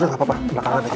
udah gapapa belakangan aja